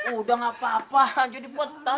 udah gak apa apa jadi putar